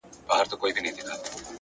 چي دا د لېونتوب انتهاء نه ده وايه څه ده